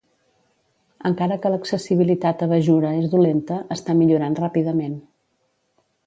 Encara que l'accessibilitat a Bajura es dolenta, està millorant ràpidament.